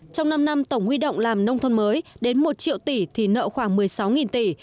trong năm năm tổng huy động làm nông thôn mới đến một triệu tỷ thì nợ khoảng một mươi sáu tỷ